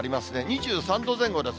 ２３度前後です。